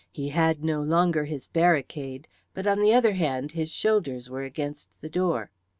He had no longer his barricade, but on the other hand his shoulders were against the door.